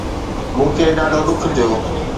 مون کي ڏاڍو ڏک ٿيو